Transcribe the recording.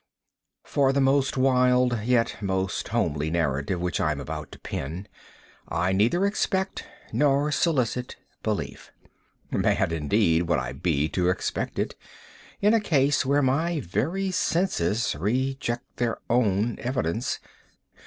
For the most wild, yet most homely narrative which I am about to pen, I neither expect nor solicit belief. Mad indeed would I be to expect it, in a case where my very senses reject their own evidence.